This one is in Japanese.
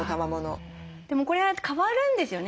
でもこれは変わるんですよね？